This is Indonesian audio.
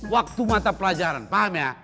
waktu mata pelajaran paham ya